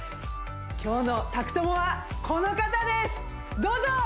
今日の宅トモはこの方ですどうぞ！